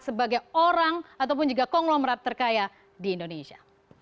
sebagai orang ataupun juga konglomerat terkaya di indonesia